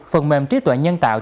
phần mềm trí tuệ nhân tạo